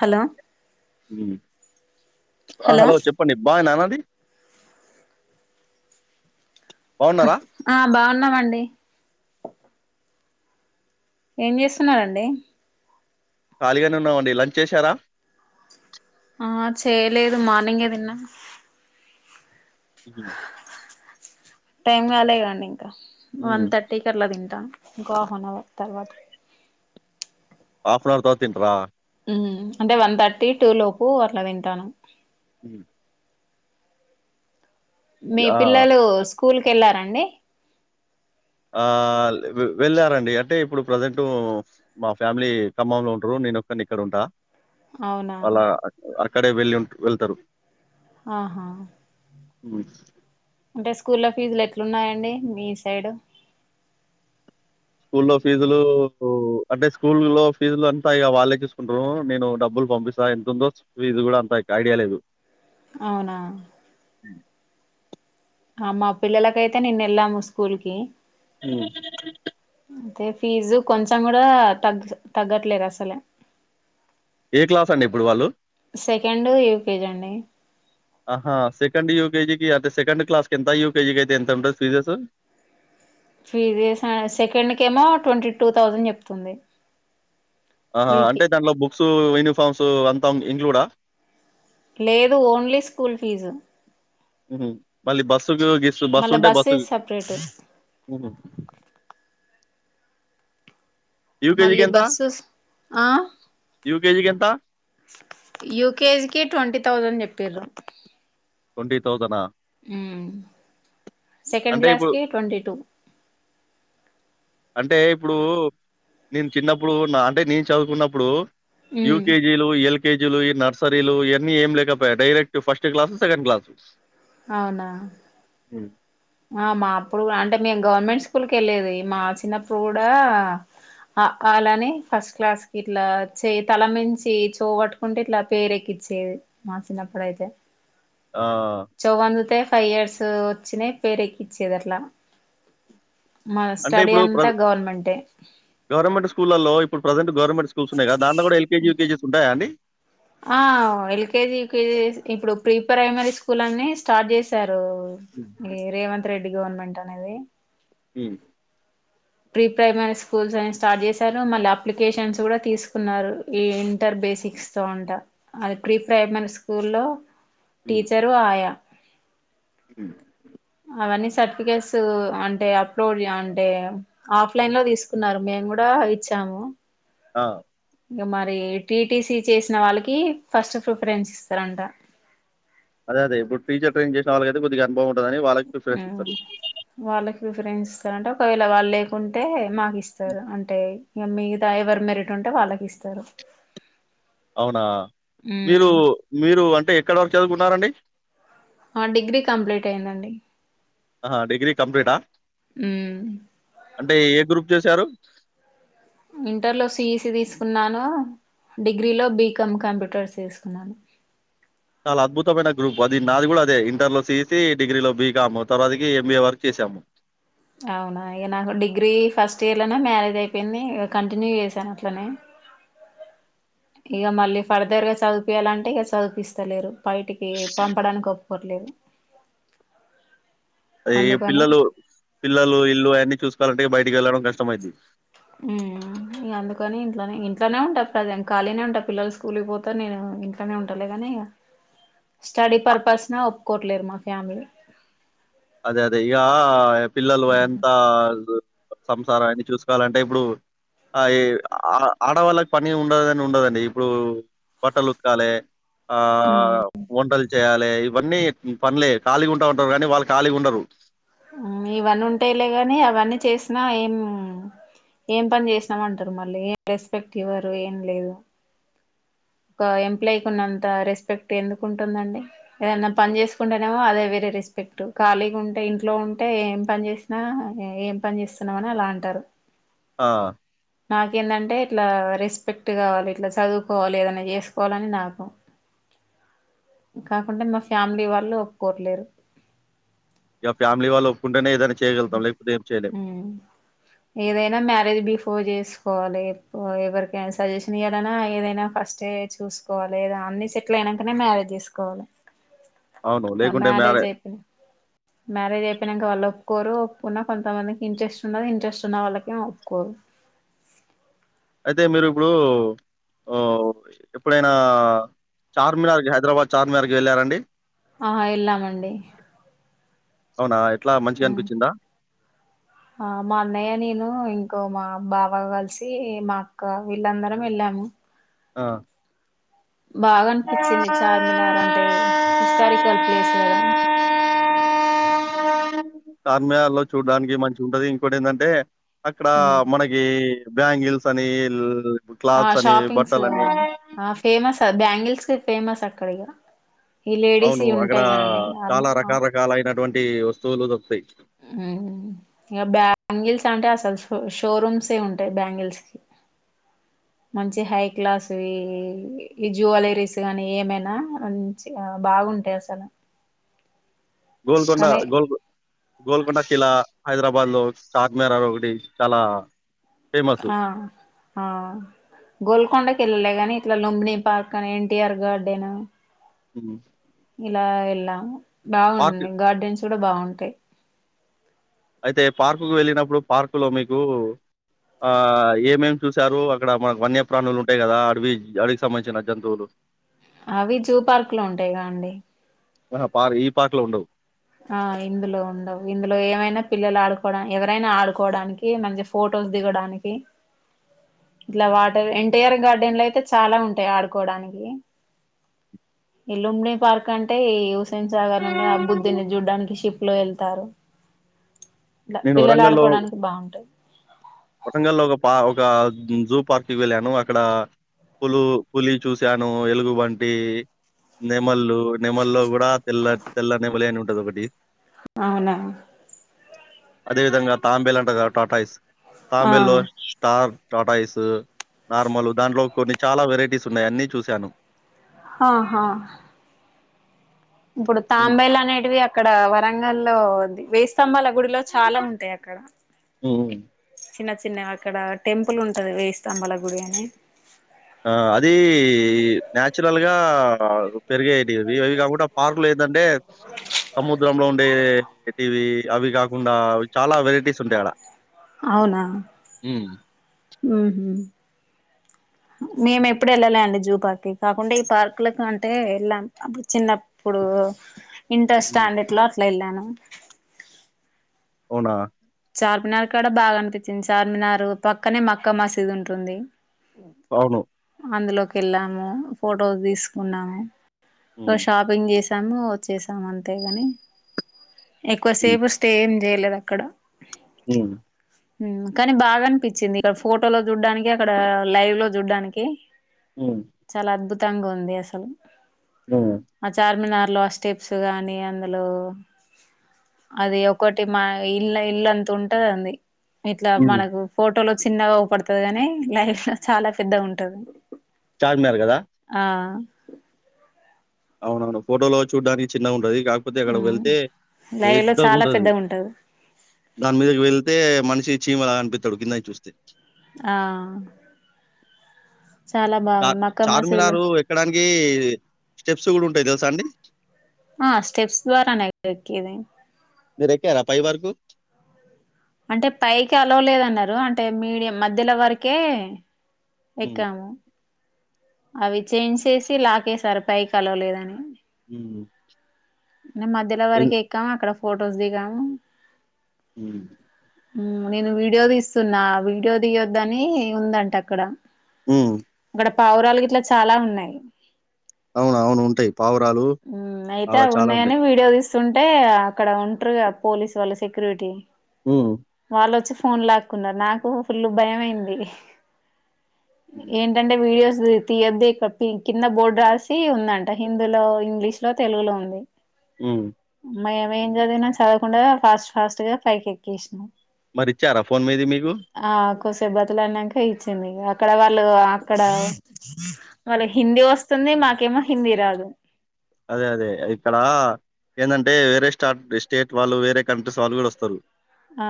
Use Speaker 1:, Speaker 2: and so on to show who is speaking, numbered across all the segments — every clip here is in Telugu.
Speaker 1: హలో
Speaker 2: ఆ హలో చెప్పండి బాగేనానండి బాగున్నారా?
Speaker 1: ఆ బాగున్నామండి ఏం చేస్తున్నరండి
Speaker 2: ఖాళీగానే ఉన్నమండి లంచ్ చేశారా
Speaker 1: ఆ చేయలేదు మార్నింగే తిన్నా
Speaker 2: ఉమ్ హ్
Speaker 1: టైం గాలే కదండి ఇంకా వన్
Speaker 2: హ్మ్.
Speaker 1: థర్టీకి అట్లా తింటా ఇంకో ఆఫ్ ఆన్ హవర్ తర్వాత
Speaker 2: ఆఫన్ అవర్ తరువాత తింటరా
Speaker 1: ఉమ్ అంటే వన్ థర్టీ టూ లోపు అట్లా తింటాను
Speaker 2: హ్
Speaker 1: మీ
Speaker 2: ఆ!
Speaker 1: పిల్లలు స్కూల్కి ఎళ్ళారా అండి
Speaker 2: ఆ లే వెళ్ళారండి అంటే ఇప్పుడు ప్రజెంటు మా ఫ్యామిలీ ఖమ్మంలో ఉంటరు నేనొక్కన్ని ఇక్కడ ఉంటా
Speaker 1: అవునా
Speaker 2: అల అక్కడే వెళ్ వెళ్తారు.
Speaker 1: ఆహా
Speaker 2: హు
Speaker 1: అంటే స్కూల్ల ఫీజులు ఎట్లున్నాయండి మీ సైడ్.
Speaker 2: స్కూల్లో ఫీజులుకు అంటే స్కూల్ లో ఫీజులు అంతా ఇంకా వాళ్ళే చూసుకుంటారు నేను డబ్బులు పంపిస్ అంత ఎంతుందో ఫీజు కూడ అంత ఐడియా లేదు.
Speaker 1: అవునా ఆ మా పిల్లలకైతే నిన్న ఎళ్ళాము స్కూల్కి
Speaker 2: ఉ
Speaker 1: అయితే ఫీజు కొంచెం కూడ తగ్గ తగ్గట్లేదు అసలే.
Speaker 2: ఏ క్లాసండి ఇప్పుడు వాళ్ళు?
Speaker 1: సెకండ్ యూకేజీ అండి.
Speaker 2: ఆహా సెకండ్ యూకేజీకి అంటే సెకండ్ క్లాస్కి ఎంత యూకేజికి అయితే ఎంత ఉంటది ఫీజెస్.
Speaker 1: ఫీజేసా సెకండ్ కేమో ట్వంటీ టూ థౌజండ్ చెప్తుంది.
Speaker 2: ఆహా
Speaker 1: యూకి
Speaker 2: అంటే దాంట్లో బుక్స్ యూనిఫార్మ్స్ అంతా ఇంక్లూడ
Speaker 1: లేదు ఓన్లీ స్కూల్ ఫీజు.
Speaker 2: హుహ్ మళ్ళీ బస్సుకు గిస్
Speaker 1: మల్లా [unintelligible] సపరేట్
Speaker 2: హు
Speaker 1: మళ్ళీ
Speaker 2: యూకేజీకెంత?
Speaker 1: బస్సుస్ ఆ
Speaker 2: యూకేజీకెంత?
Speaker 1: యూకేజీకిి ట్వంటీ థౌజండ్ చెప్పిరు సెకండ్
Speaker 2: అంటే
Speaker 1: క్లాస్
Speaker 2: ఇప్పుడు
Speaker 1: కి ట్వంటీ టు
Speaker 2: అంటే ఇప్పుడు నేను చిన్నప్పుడు నా అంటే నేను చదువుకున్నప్పుడు యూకే లు ఎల్కేజీలు నర్సరీలు ఇవన్నీ ఏం లేకపోయా direct first class second class
Speaker 1: అవునా
Speaker 2: హు
Speaker 1: ఆ మా అప్పుడు అంటే మేము గవర్నమెంట్ స్కూల్ కి వెళ్ళలేది మా చినప్పుడు కూడ అ ఆ లు అని ఫస్ట్ క్లాస్ కి ఇట్లా చే తలనుంచి [unintelligible] కుంటే ఇట్లా పేలేక్కిచ్చేది మా చిన్నప్పుడు అయితే
Speaker 2: ఆ
Speaker 1: చోవు అందుతే ఫైవ్ ఇయర్స్ వచ్చిన పేరు ఎక్కిచ్చేది అట్లా మ
Speaker 2: అంటే
Speaker 1: స్టడీ
Speaker 2: ఇప్పుడు
Speaker 1: అంతా
Speaker 2: ప్రజె
Speaker 1: గవర్నమెంటే
Speaker 2: గవర్నమెంట్ స్కూలల్లో ఇప్పుడు ప్రెసెంట్ గవర్నమెంట్ స్కూల్స్లో ఉన్నాయిగద దాన్లో కూడా ఎల్కేజీ యూకేజీస్ ఉంటాయా అండి
Speaker 1: ఆ ఎల్కేజీ యకేజీస్ ఇప్పుడు ప్రీ ప్రైమరీ స్కూల్ అన్ని స్టార్ట్ చేశారు
Speaker 2: హ్మ్.
Speaker 1: ఈ రేవంత్ రెడ్డి గవర్నమెంట్ అనేది
Speaker 2: హు
Speaker 1: ప్రీ ప్రైమరీ స్కూల్స్ అని స్టార్ట్ చేశారు మళ్ళీ అప్లికేషన్స్ కూడా తీసుకున్నారు ఈ ఇంటర్ బేసిక్ ఇస్తూ ఉంటా అది ప్రీ ప్రైమరీ స్కూల్ లో టీచరు ఆయ
Speaker 2: హు
Speaker 1: అవన్నీ సర్టిఫికెట్స్ అంటే అప్లోడ్ [unintelligible] ఆఫ్లైన్ లో తీసుకున్నారు మేము కూడ అవి ఇచ్చాము
Speaker 2: ఆ
Speaker 1: ఇంక మరి టీటిసీ చేసిన వాళ్ళకి ఫస్ట్ ప్రిఫరెన్స్ ఇస్తారంట
Speaker 2: అదే అదే ఇప్పు టీచర్ ట్రైనింగ్ చేసిన వళ్ళకైతే కొద్దిగా అనుభవంటదని వాళ్ళకి ప్రిరెన్స్ ఇస్తారు
Speaker 1: వాళ్ళకి ప్రిఫరెన్స్ ఇస్తారుంటే ఒకవేళ వాళ్ళు లేకుంటే మాకు
Speaker 2: హ్మ్.
Speaker 1: ఇస్తారు అంటే ఇంగా మిగతా ఎవరు మెరిట్ ఉంటే వాళ్ళకి ఇస్తారు
Speaker 2: అవునా మీరు మీరు అంటే ఎక్కడ వర్కు చదువుకున్నారండి
Speaker 1: హ డిగ్రీ కంప్లీట్ అయిందండి
Speaker 2: ఆహా డిగ్రీ కంప్లీటా
Speaker 1: ఉ
Speaker 2: అంటే ఏ గ్రూప్ చేశారు
Speaker 1: ఇంటర్లో సీఈసి తీసుకున్నాను డిగ్రీలో బీకామ్ కంప్యూటర్స్ తీసుకున్నాను
Speaker 2: చాలా అద్భుతమైన గ్రూప్ అది నాది కూడా అదే ఇంటర్లో సిఈసి డిగ్రీలో బీకామ్ తర్వాతకి ఎంబీఏ వరకు చేసాము
Speaker 1: అవునా ఇక నాకు డిగ్రీ ఫస్ట్ ఇయర్లోనే మ్యారేజ్ అయిపోయింది ఇక కంటిన్యూ చేశాను అట్లనే ఇక మళ్ళీ ఫర్దర్గా చదిపియాలంటే ఇక చదిపిస్తలేరు బయటికి పంపడానికి ఒప్పు కోట్లేరు
Speaker 2: అయ్యయ్యో పిల్లలు పిల్లలు ఇల్లు అవన్నీ చూసుకోవాలంటే బయటకి వెళ్ళడం కష్టమైది
Speaker 1: ఉ ఇక అందుకని ఇంట్లోనే ఇంట్లోనే ఉంటా ప్రజెంట్ ఖాళీనే ఉంటా పిల్లలు స్కూల్కి పోతేర్ నేను ఇంట్లోనే ఉంటాలే కానీ స్టడీ
Speaker 2: అ
Speaker 1: పర్పస్నా ఒప్పుకోట్లేరు మా ఫ్యామిలీ
Speaker 2: అదే అదే ఇగ పిల్లలు పోయేంత్ హ సంసారాన్ని చూసుకోవాలంటే ఇప్పుడు ఆ ఈ ఆ ఆడవాళ్ళకి పని ఉండదని ఉండదండి ఇప్పుడు బట్టల్ఉత్కాలే ఆ
Speaker 1: ఉమ్
Speaker 2: వంటలు చేయాలే ఇవన్నీ పన్లే ఖాళీగా ఉంటా అంటారు కానీ వాళ్ళ కాలీగుండరు
Speaker 1: ఉమ్ ఇవన్నీ ఉంటాయ్లే గాని అవన్నీ చేసినా ఏం ఏం పని చేస్నావ్ అంటారు మళ్ళీ ఏ రెస్పెక్ట్ ఇవ్వరు ఏం లేదు ఒక ఎంప్లాయ్కి ఉన్నంత రెస్పెక్ట్ ఎందుకు ఉంటుందండి ఏదనా పన్ చేసుకుంటేనేమో అదే వేరే రెస్పెక్ట్ ఖాలిగా ఉంటే ఇంట్లో ఉంటే ఏం పని చేస్ నా ఏం పని చేస్తున్నావ్ అని అలా అంటారు
Speaker 2: ఆ
Speaker 1: నాకేందంటే ఇట్లా రెస్పెక్ట్ కావాలి ఇట్లా చదువుకోవాలి ఏదనే చేస్కోవాలని నాకు కాకుంటే మా ఫ్యామిలీ వాళ్ళు ఒప్పుకోవట్లేదు
Speaker 2: ఇగ ఫ్యామిలీ వాళ్ళు ఒప్పుకుంటేనే ఏదైనా చేయ్గలుగుతాం లేకపోతే ఏం చేయలేము
Speaker 1: ఉమ్. ఏదైనా మ్యారేజ్ బిఫోర్ చేస్కోవాలి ఎవరికనా సజెషన్ ఇయ్యాలన్నా ఏదైనా ఫస్ట్ చూస్కోవాలి ఏదా అన్ని సెటిల్ అయినాకనే మ్యారేజ్ చేసుకోవాలి
Speaker 2: అవును లేకుంటే మ్యారే
Speaker 1: మ్యారేజ్అయిపోయిన్నకా వాళ్ళు ఒప్పుకోరు ఒప్పుకున్నా కొంతమందికి ఇంట్రెస్ట్ ఉన్నది ఇంట్రెస్ట్ ఉన్న వాళ్ళకేమోప్పుకోరు
Speaker 2: అయితే మీరు ఇప్పుడు ఓ ఎప్పుడైనా చార్మినార్కి హైదరాబాద్ చార్మినార్కి వెళ్ళారండి
Speaker 1: ఆహ ఏళ్ళామండి
Speaker 2: అవునా ఎట్లా మంచిగా
Speaker 1: ఉమ్.
Speaker 2: అనిపించిందా
Speaker 1: ఆ మా అన్నయ్య నేను ఇంకో మా బావ కలిసి మా అక్క వీళ్ళందరం వెళ్ళాము
Speaker 2: ఆ
Speaker 1: బాగా అనిపించింది చార్మినార్ అంటే హిస్టారికల్ ప్లేస్ కదా
Speaker 2: చార్మినార్లో చూడ్డానికి మంచిగా ఉంటది ఇంకోటి ఏంటంటే అక్కడ
Speaker 1: ఉమ్.
Speaker 2: మనకి బ్యాంగిల్స్ అని
Speaker 1: ఆ
Speaker 2: క్లాత్స్ అని
Speaker 1: షాపింగ్స్
Speaker 2: బట్టలని
Speaker 1: ఆ ఫేమస్ అది బ్యాంగిల్స్కి ఫేమస్ అక్కడిగా ఈ లేడీస్యీ ఉంటై కాండి [unintelligible]
Speaker 2: రకాలైనటువంటి వస్తువులు దొరుకుతయి.
Speaker 1: హ్ ఇగ బ్యాంగిల్స్ అంటే అసలు షో షోరూమ్సే ఉంటయి బ్యాంగిల్స్కి. మంచి హై క్లాస్వి ఈ జ్యువెలరీస్ కానీ ఏమైనా మంచిగా బాగుంటయి అసలు.
Speaker 2: గోల్కొండ
Speaker 1: కానీ
Speaker 2: గోల్ గోల్కొండ కిల్లా హైదరాబాద్ లో చార్మినార్ అది ఒకటి చాలా ఫేమస్.
Speaker 1: ఆ ఆ గోల్కొండకి వెళ్ళలే గాని ఇట్లా లుంబిని పార్క్ అని, ఎన్టీఆర్ గార్డెను
Speaker 2: హ్మ్.
Speaker 1: ఇలా వెళ్ళాము
Speaker 2: పార్క్
Speaker 1: బాగున్నయి గార్డెన్స్ కూడా బావుంటయి.
Speaker 2: అయితే పార్కుకు వెళ్ళినప్పుడు పార్కు లో మీకు ఆ ఏమేమి చూసారు అక్కడ మన వన్యప్రాణులు ఉంటయి కదా అడవి అడవికి సంబంధించిన జంతువులు.
Speaker 1: అవి జూపార్క్లో ఉంటయిగా అండి.
Speaker 2: ఆ పార్ ఈ పార్క్లో ఉండవు.
Speaker 1: ఆ ఇందులో ఉండవు ఇందులో ఏమైనా పిల్లలు ఆడుకోవడా ఎవరైనా ఆడుకోవడానికి. కిమంచిగా ఫొటోస్ దిగడానికి ఇట్లా వాటర్ ఎన్టీఆర్ గార్డెన్లో అయితే చాలా ఉంటయి ఆడుకోవడానికి. ఈ లుంబినీ పార్క్ అంటే ఈ హుస్సేన్ సాగర్ నుండే ఆ బుద్ధ చూడ్డానికి షిప్ లో ఎళ్తారు.
Speaker 2: నేను వరంగల్లో వరంగల్లో ఒక పా ఒక జూపార్క్ కి వెళ్ళాను అక్కడా పులు పులి చూసాను, ఎలుగుబంటి, నెమళ్లు నెమల్లో కూ డ తెల్ల తెల్ల నేమళి అని ఉంటది ఒకటి
Speaker 1: అవునా
Speaker 2: అదే విధంగా తాంబేల్ అంటరు కదా టార్టాయిస్.
Speaker 1: ఆ
Speaker 2: తాంబేల్లో స్టార్ టార్టాయిస్, నార్మల్ దాంట్లో కొన్ని చాలా వెరైటీస్ ఉన్నాయి అన్ని చూసాను.
Speaker 1: హహా ఇప్పుడు
Speaker 2: హ్మ్.
Speaker 1: తాంబేలు అనేటివి అక్కడ వరంగల్లో వేయి స్తంభాల గుడిలో చాలా ఉంటయి అక్కడ.
Speaker 2: హ్మ్.
Speaker 1: చిన్న చిన్నవి అక్కడ టెంపుల్ ఉంటది వేయి స్థంబాల గుడి అని.
Speaker 2: ఆ అది న్యాచురల్గా పెరిగేటివి అవి అవి కాకుండా పార్కులయి ఎందంటే సముద్రంలో ఉండేటివి అవి కాకుండా చాలా వెరైటీస్ ఉంటయి ఆడ.
Speaker 1: అవునా
Speaker 2: హ్మ్.
Speaker 1: ఉహ్ మేము ఎప్పుడు వెళ్ళలే అండి జూపార్క్ కి కాకుంటే ఈ పార్క్లకి అంటే వెళ్ళాం అప్పుడు చిన్నపు ప్పుడు ఇంటర్
Speaker 2: హ్మ్.
Speaker 1: స్టాండర్డ్లో అట్లా ఎళ్ళాను.
Speaker 2: అవునా
Speaker 1: చార్మినార్ కాడా బాగా అనిపిచ్చింది, చార్మినార్ పక్కనే మక్కా మసీదు ఉంటుంది.
Speaker 2: అవును
Speaker 1: అందులోకి వెళ్ళాము, ఫొటోస్ తీసుకున్నాము. ఒక
Speaker 2: హ్మ్.
Speaker 1: షాప్ పింగ్ చేసాము వచ్చేసాము అంతే గాని ఎక్కువసేపు స్టే ఏం జేయలేదక్కడ
Speaker 2: ఉ
Speaker 1: ఉమ్ము కాని బాగా అన్పిచ్చింది ఇక్కడ ఫోటో లో జూడ్డానికి అక్కడ లైవ్ లో జూడ్డానికి
Speaker 2: ఓమ్
Speaker 1: చాలా అద్భుతంగుంది అసలు
Speaker 2: [unintelligible]
Speaker 1: ఆ చార్మినార్ లో ఆ స్టెప్సు గాని అందులో అది ఒకటి మ ఇల్ళ ఇల్లంత ఉంటదదండి ఇట్లా
Speaker 2: హ్మ్.
Speaker 1: మనకు ఫోటోలో చిన్నగా ఊపడుతది గాని లైఫ్ లో చాలా పెద్దగా ఉంటది
Speaker 2: చార్మినార్ గదా
Speaker 1: ఆ
Speaker 2: అవునవును ఫోటోలో చూడ్డానికి చిన్నగా ఉంటది కాక్పోతే అక్కడికి
Speaker 1: మ్
Speaker 2: వెళ్తే
Speaker 1: లైవ్ లో చాలా
Speaker 2: పేద్దగుంటాదది
Speaker 1: పెద్దగా ఉంటది
Speaker 2: దాన్ మీదకి వెళ్తే మనిషి చీమలాగ అన్పిత్తడు కిందాయ్ చూస్తే
Speaker 1: ఆ చాలా బాగుంద్ మక్కా మసీద్ లో
Speaker 2: ఏక్కడాన్కి స్టెప్స్ గుడూంటాయ్ దెల్సా అండి
Speaker 1: ఆ స్టెప్స్ ద్వారా నే ఎక్కేది
Speaker 2: మీరేక్యార పైవరుకు
Speaker 1: అంటే పైకి అలోలేదన్నారు అంటే మీడియం మధ్యలో వరకే
Speaker 2: హ్మ్.
Speaker 1: ఎక్యాము అవి చైన్సేసి లాకేశారు పైకలౌలేదని
Speaker 2: హ్మ్.
Speaker 1: మేమ్ మధ్యలో
Speaker 2: ఎన్
Speaker 1: వరకే ఎక్కాము అక్కడ ఫొటోస్ దిగాము
Speaker 2: ఊ
Speaker 1: ఊ నేను వీడియో దీస్తున్నా వీడియో దీయొద్దనీ ఉందంటక్కడ
Speaker 2: ఉ
Speaker 1: పావురాలు గిట్ల చాలా ఉన్నాయ్
Speaker 2: అవును. అవును. ఉంటాయి. పావురాలు
Speaker 1: ఊ అయితే
Speaker 2: అలా చాలా ఉంటాయి.
Speaker 1: అవ్వూన్నాయనే వీడియో దీస్ స్తుంటే అక్కడ ఉంట్రు గా పోలీస్ వాళ్ళు సెక్రూటి
Speaker 2: హ్మ్.
Speaker 1: వాళ్ళొచ్చి ఫోన్ లాక్ న్నారు నాకు ఫుల్లు భయమైంది
Speaker 2: హ్మ్.
Speaker 1: ఏంటంటే వీడియోస్ దీ తియ్యొద్దే ఇక్కడ్ కింద బోడ్ రాసి ఉందంట హిందీలో ఇంగ్లీష్ లో తెలుగులో ఉంది
Speaker 2: హ్మ్.
Speaker 1: మయ్యమేం జదివినాం సదవకుండనె ఫాస్ట్ ఫాస్టు గా పైకి ఎక్కేస్నాం
Speaker 2: మరి ఇచ్చారా ఫోన్ మీది మీకు
Speaker 1: ఆ కొస్సేప్ బతిలాన్నంక ఇచ్చింది ఇంగ అక్కడ వాళ్ళు అక్కడా వాళ్ళకి
Speaker 2: హ్మ్.
Speaker 1: హిందీ వొస్తుంది మాకేమో హిందీ రాదు
Speaker 2: అదే అదే ఇక్కడా ఏందంటే వేరే స్టార్ట్ స్టేట్ వాళ్ళు వేరే కంట్రీస్ వాళ్ళు గూడొస్తారు
Speaker 1: ఆ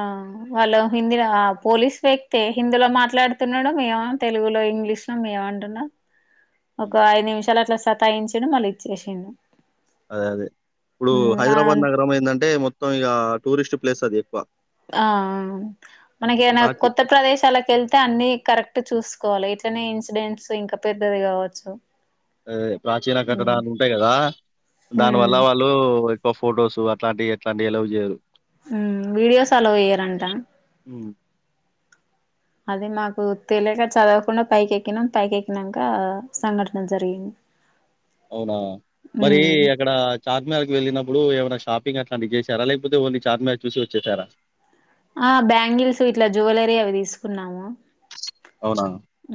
Speaker 1: వాళ్ళు హిందీరొవా పోలీస్ వ్యక్తే హిందీలో మాట్లాడుతున్నాడు మేమేమ్ తెలుగులో ఇంగ్లీష్ [unintelligible] ఏమంటున్నావ్
Speaker 2: హ్మ్.
Speaker 1: ఒకా ఐదు నిమిషాలట్ల సతాయించిను మళ్ళీ ఇచ్చేసిండు
Speaker 2: అదే అదే ఇప్పుడు
Speaker 1: ఉమ్ ఆ
Speaker 2: హైదరాబాద్ నగరం ఏందంటే మొత్తం ఇగా టూరిస్ట్ ప్లేసది ఎక్కువ
Speaker 1: ఆ ఆ మనకేదన్న
Speaker 2: ప్రాచీ
Speaker 1: కొత్త ప్రదేశాలకెళ్ తా అన్నీ కరెక్టు చూస్కోవాల ఇట్లనే ఇన్సిడెంట్స్ ఇంకా పెద్దది గావచ్చు
Speaker 2: అదే ప్రాచీన కట్టడాలు ఉంటాయ్ గదా దాన్
Speaker 1: ఉమ్
Speaker 2: వల్లా వాళ్ళ్ లో ఎక్కువ ఫొటోసు అట్లాంటివి ఎట్లా అన్ని ఎలో జేయరు
Speaker 1: హూ వీడియోస్ అలో ఎయ్యరంటా
Speaker 2: ఉ
Speaker 1: అది మాకు తెలియక చదవకుండా పైకెక్కినాం పైకెక్కినాక సంఘటన జరిగింది
Speaker 2: అవునా మరి
Speaker 1: ఉమ్
Speaker 2: అక్కడ చార్మేరకు వెళ్ళినప్పుడు ఏమైనా షాపింగ్ అట్లాంటి చేసారా లేకపోతే ఓన్లీ చార్మ చూసి వచ్చేశారా
Speaker 1: ఆ బ్యాంగిల్స్ ఇట్ల జ్యువెలరీ అవి తీసుకున్నాము
Speaker 2: అవునా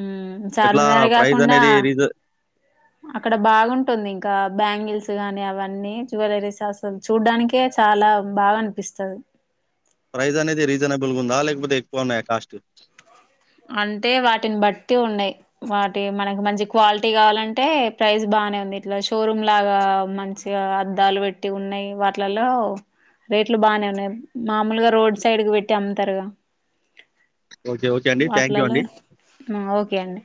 Speaker 1: ఉమ్
Speaker 2: ఎట్లా
Speaker 1: చార్మినార్
Speaker 2: ప్రైజ్
Speaker 1: కాకుండా
Speaker 2: అనేది రీజ
Speaker 1: అక్కడ బాగుంటుంది ఇంకా బ్యాంగిల్స్ గాని అవన్నీ జ్యువెలరీస్ అసలు చూడానికే చాల బాధ అనిపిస్తది
Speaker 2: ప్రైజ్ అనేది రీజనబుల్ గా ఉందా లేకపోతే ఎక్కువ ఉన్నాయ కాస్ట్
Speaker 1: అంటే వాటిని బట్టి ఉన్నాయ్ వాటి మనకి మంచి క్వాలిటీ కావాలంటే ప్రైస్ బానే ఉంది ఇట్లా షోరూమ్ లాగ మం అద్దాలు పెట్టి ఉన్నాయి వాటిలలో రేట్లు బాగానే ఉన్నాయి మామూలుగా రోడ్ సైడ్ క పెట్టి అమ్ముతారుగ
Speaker 2: ఒకే ఒకే
Speaker 1: వాటిలలో ఓకే అండి